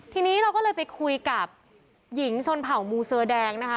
ทีนี้เราก็เลยไปคุยกับหญิงชนเผ่ามูเซอร์แดงนะคะ